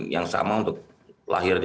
yang sama untuk lahir